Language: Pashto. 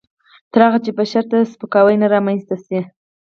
تر هغه چې بشر ته سپکاوی نه رامنځته شي.